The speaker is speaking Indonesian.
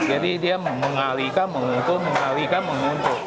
jadi dia mengalirkan menguntur mengalirkan menguntur